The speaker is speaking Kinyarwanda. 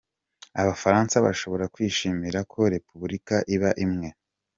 Abafaransa bashobora kwishimira ko Repuburika iba imwe.